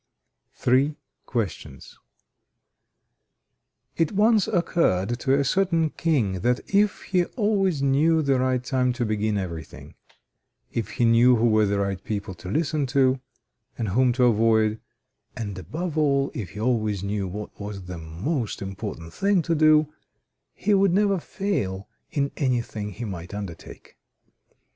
THREE QUESTIONS It once occurred to a certain king, that if he always knew the right time to begin everything; if he knew who were the right people to listen to, and whom to avoid; and, above all, if he always knew what was the most important thing to do, he would never fail in anything he might undertake.